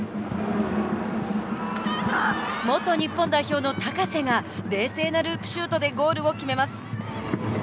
元日本代表の高瀬が冷静なループシュートでゴールを決めます。